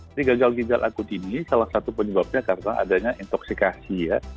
gagal ginjal akut ini salah satu penyebabnya karena adanya intoxikasi ya